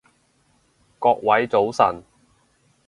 各位早晨